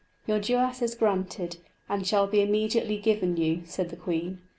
"Your duais is granted, and shall be immediately given you," said the queen.